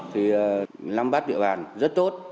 thì lâm bắt địa bàn rất tốt